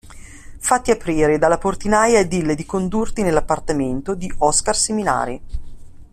Fatti aprire dalla portinaia e dille di condurti nell'appartamento di Oscar Seminari.